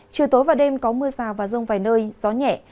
chiều tối và đêm có mưa rào và rông vài nơi gió nhẹ